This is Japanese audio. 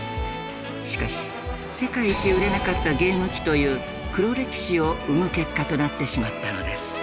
しかし世界一売れなかったゲーム機という黒歴史を生む結果となってしまったのです。